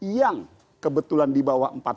yang kebetulan dibawa ke empat negara